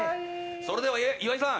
それでは、岩井さん